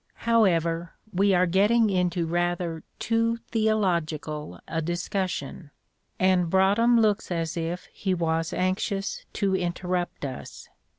However, we are getting into rather too theological a discussion, and Broadhem looks as if he was anxious to interrupt us."